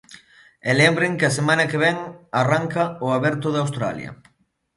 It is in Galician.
E lembren que a semana que vén arranca o Aberto de Australia.